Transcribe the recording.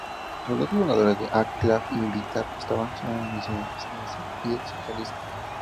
Sus fundadores, Aflaq y Bitar, estaban asociados con el nacionalismo y el socialismo.